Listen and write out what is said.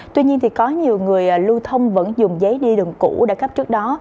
tuy nhiên có nhiều người lưu thông vẫn dùng giấy đi đường cũ đã cắp trước đó